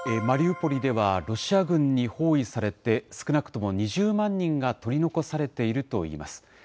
マリウポリでは、ロシア軍に包囲されて、少なくとも２０万人が取り残されているといいます。